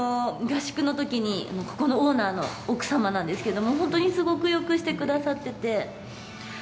合宿のときに、ここのオーナーの奥様なんですけども、ほんとにすごくよくしてくださってて。